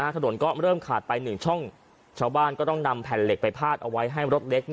ถนนก็เริ่มขาดไป๑ช่องชาวบ้านก็ต้องนำแผ่นเหล็กไปพาดเอาไว้ให้รถเล็ก